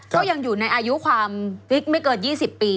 ก็ยังอยู่ในอายุความไม่เกิน๒๐ปี